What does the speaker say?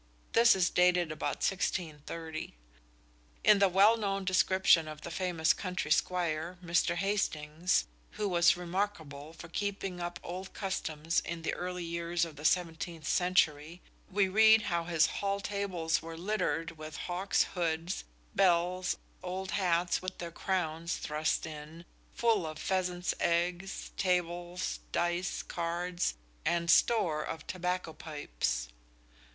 This is dated about 1630. In the well known description of the famous country squire, Mr. Hastings, who was remarkable for keeping up old customs in the early years of the seventeenth century, we read of how his hall tables were littered with hawks' hoods, bells, old hats with their crowns thrust in, full of pheasants' eggs; tables, dice, cards, and store of tobacco pipes.